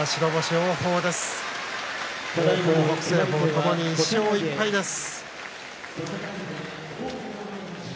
王鵬、北青鵬はともに１勝１敗です。